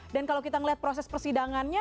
dan kalau kita melihat proses persidangannya